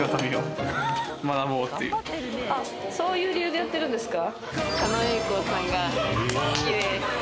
そういう理由でやってるんですか。